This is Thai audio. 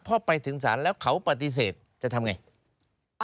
หัวไปถึงศาลแล้วเขาปฏิเสธจะทำอย่างไร